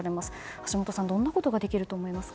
橋下さん、どんなことができると思いますか？